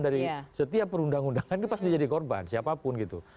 dari setiap perundang undangan ini pasti jadi korban siapapun gitu